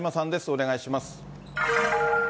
お願いします。